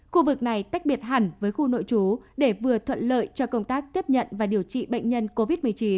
khu vực này tách biệt hẳn với khu nội chú để vừa thuận lợi cho công tác tiếp nhận và điều trị bệnh nhân covid một mươi chín